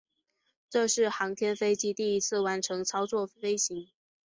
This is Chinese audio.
这是航天飞机第一次完全操作飞行。